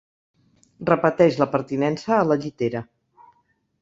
Repeteix la pertinença a la llitera.